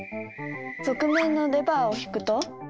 側面のレバーを引くと。